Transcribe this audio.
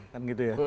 kan gitu ya